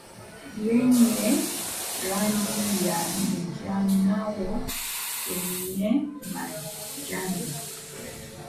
yenye rangi ya njano kwenye majani.